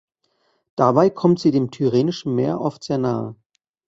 Dabei kommt sie dem Tyrrhenischen Meer oft sehr nahe.